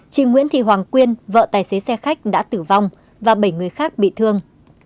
chị nguyễn thị hoàng quyên vợ tài xế xe khách đã tử vong và bảy người khác bị thương